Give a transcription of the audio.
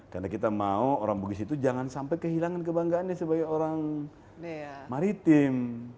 karena kita mau orang bugis itu jangan sampai kehilangan kebanggaannya sebagai orang maritim